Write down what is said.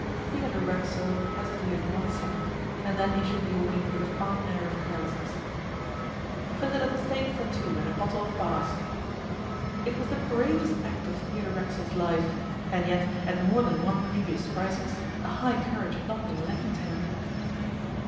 Theodore Racksole hesitated one second, and then issued the order with a fine air of carelessness: 'Filleted steak for two, and a bottle of Bass.' It was the bravest act of Theodore Racksole's life, and yet at more than one previous crisis a high courage had not been lacking to him.